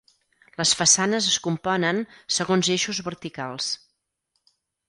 Les façanes es componen segons eixos verticals.